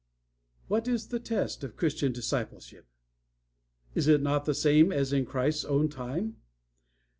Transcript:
"What is the test of Christian discipleship? Is it not the same as in Christ's own time?